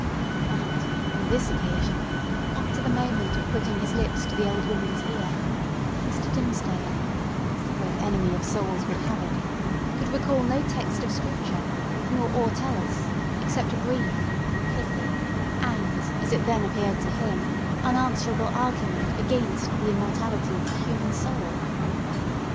But, on this occasion, up to the moment of putting his lips to the old woman's ear, Mr. Dimmesdale, as the great enemy of souls would have it, could recall no text of Scripture, nor aught else, except a brief, pithy, and, as it then appeared to him, unanswerable argument against the immortality of the human soul.